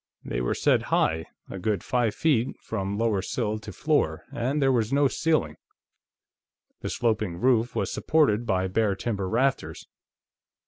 They were set high, a good five feet from lower sill to floor, and there was no ceiling; the sloping roof was supported by bare timber rafters.